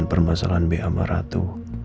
dan permasalahan bea sama ratu